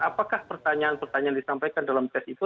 apakah pertanyaan pertanyaan disampaikan dalam tes itu